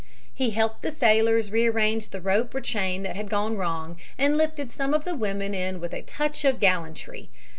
He helped the sailors rearrange the rope or chain that had gone wrong and lifted some of the women in with a touch of gallantry.